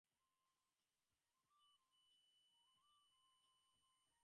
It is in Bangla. হয়তো একটু সামাজিক আবর্জনা-দূরীকরণ বা তথাকথিত সংস্কার-প্রিয়তার আভাসযুক্ত হইয়া পড়িয়া রহিয়াছে।